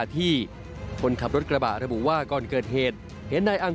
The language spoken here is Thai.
ทำให้นายอัง